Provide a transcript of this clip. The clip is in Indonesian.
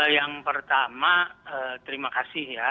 yang pertama terima kasih ya